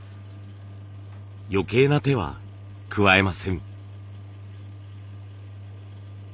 余計な手は加えません。